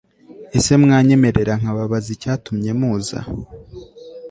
ese mwanyemerera nkababaza icyatumye muza